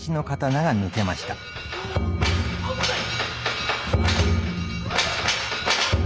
危ない。